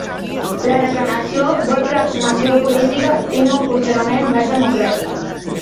La reclamació vol que la formació política tingui un funcionament més democràtic